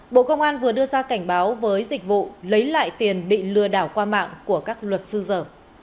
bộ công an vừa đưa ra cảnh báo với dịch vụ lấy lại tiền bị lừa đảo qua mạng của các luật sư dở